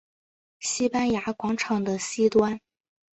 西班牙广场的西端。